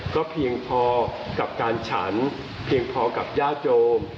ก็เพียงพอกับการฉันเพียงพอกับญาติโยม